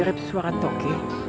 mirip suara toko